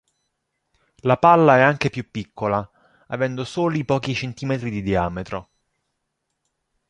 La palla è anche più piccola, avendo soli pochi centimetri di diametro.